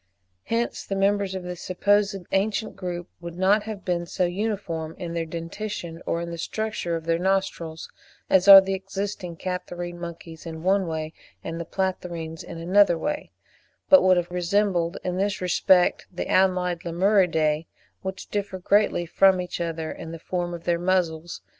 Hence the members of this supposed ancient group would not have been so uniform in their dentition, or in the structure of their nostrils, as are the existing Catarrhine monkeys in one way and the Platyrrhines in another way, but would have resembled in this respect the allied Lemuridae, which differ greatly from each other in the form of their muzzles (15.